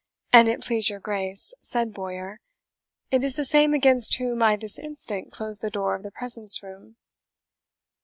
"An it please your Grace," said Bowyer, "it is the same against whom I this instant closed the door of the presence room."